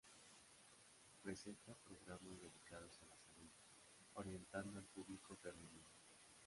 Presenta programas dedicados a la salud, orientado al público femenino.